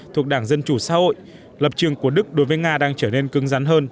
thuộc đảng dân chủ xã hội lập trường của đức đối với nga đang trở nên cưng rắn hơn